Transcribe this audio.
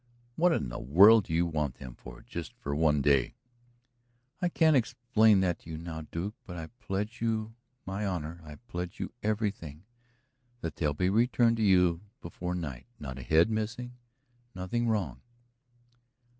"What in the world do you want them for, just for one day?" "I can't explain that to you now, Duke, but I pledge you my honor, I pledge you everything, that they'll be returned to you before night, not a head missing, nothing wrong."